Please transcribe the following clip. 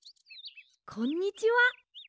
こんにちは。